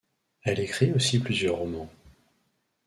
Elle écrit aussi plusieurs romans.